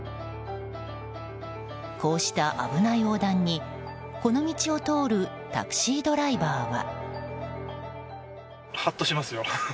こうした危ない横断にこの道を通るタクシードライバーは。